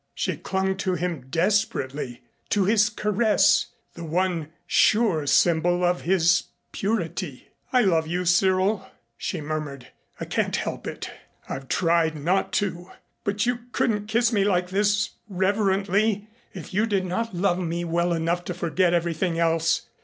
She clung to him desperately, to his caress, the one sure symbol of his purity "I love you, Cyril," she murmured, "I can't help it. I've tried not to. But you couldn't kiss me like this, reverently, if you did not love me well enough to forget everything else.